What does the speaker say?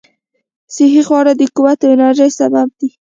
صحي خواړه د قوت او انرژۍ سبب دي.